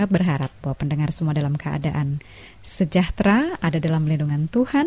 kota sion yang terindah